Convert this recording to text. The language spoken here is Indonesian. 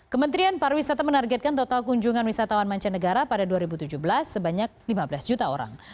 kementerian pariwisata menargetkan total kunjungan wisatawan mancanegara pada dua ribu tujuh belas sebanyak lima belas juta orang